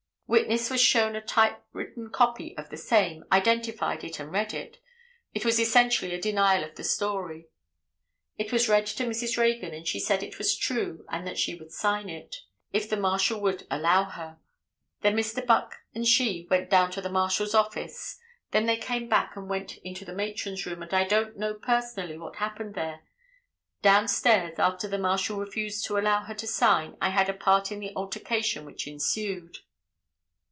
Witness was shown a type written copy of the same, identified it and read it; it was essentially a denial of the story. "It was read to Mrs. Reagan and she said it was true and that she would sign it, if the marshal would allow her; then Mr. Buck and she went down to the marshal's office; then they came back and went into the matron's room, and I don't know personally what happened there; down stairs, after the marshal refused to allow her to sign, I had a part in the altercation which ensued."